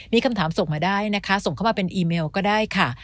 มีคำถามส่งมาได้นะคะส่งเข้ามาเป็นอีเมลก็ได้ค่ะ